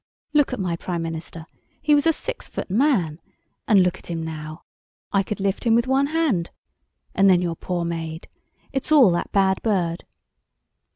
Look at my Prime Minister. He was a six foot man. And look at him now. I could lift him with one hand. And then your poor maid. It's all that bad bird."